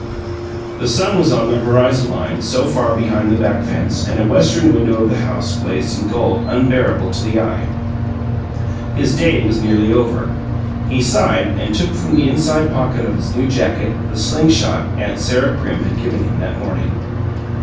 The sun was on the horizon line, so far behind the back fence, and a western window of the house blazed in gold unbearable to the eye: his day was nearly over. He sighed, and took from the inside pocket of his new jacket the "sling shot" aunt Sarah Crim had given him that morning.